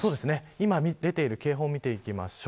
今出ている警報を見ていきます。